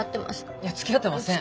いやつきあってません。